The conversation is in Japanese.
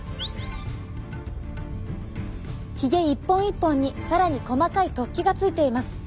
ひげ一本一本に更に細かい突起がついています。